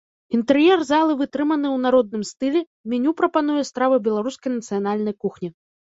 Інтэр'ер залы вытрыманы ў народным стылі, меню прапануе стравы беларускай нацыянальнай кухні.